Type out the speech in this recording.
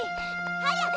早く！